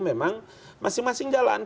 memang masing masing jalan